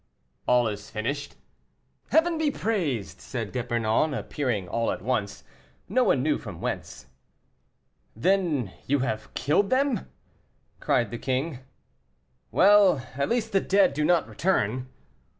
"All is finished?" "Heaven be praised," said D'Epernon, appearing all at once, no one knew from whence. "Then you have killed them?" cried the king; "well, at least the dead do not return."